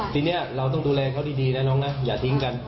ทีนี้เราต้องดูแลเขาดีนะน้องนะอย่าทิ้งกัน